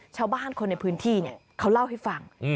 ชาวบ้านคนในพื้นที่เขาเล่าให้ฟัง